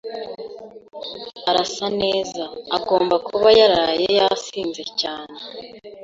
Arasa neza. Agomba kuba yaraye yasinze cyane.